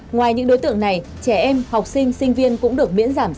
ngoài những đối tượng này trẻ em học sinh sinh viên cũng được miễn giảm giá vé